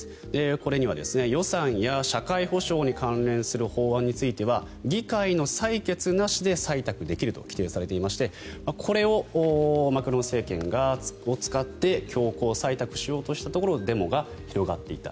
これには予算や社会保障に関連する法案については議会の採決なしで採択できると規定されていましてこれをマクロン政権が使って強行採択しようとしたところデモが広がっていった。